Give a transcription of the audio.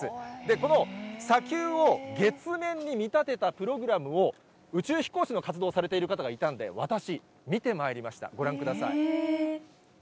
この砂丘を月面に見立てたプログラムを、宇宙飛行士の活動をされている方がいたんで私、見てまいりました、ご覧ください。